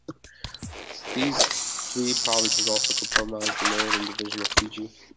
These three provinces also comprise the Northern Division of Fiji.